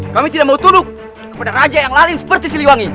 kami tidak mau turuk kepada raja yang lain seperti siliwangi